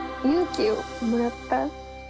勇気をもらった。